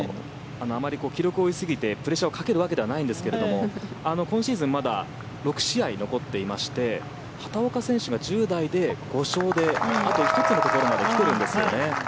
あまり記録を追いすぎてプレッシャーをかけるわけではないんですが今シーズンまだ６試合残っていまして畑岡選手が１０代で５勝であと１つのところまで来ているんですよね。